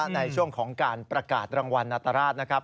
ในช่วงของการประกาศรางวัลนาตราชนะครับ